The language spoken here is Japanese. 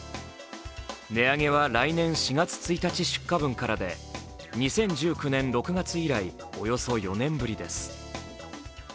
値上げは来年４月１日出荷分からで２０１９年６月以来、およそ４年ぶりです